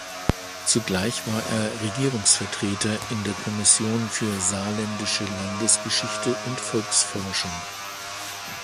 Zugleich war er Regierungsvertreter in der Kommission für Saarländische Landesgeschichte und Volksforschung.